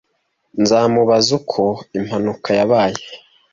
Nzamubaza uko impanuka yabaye.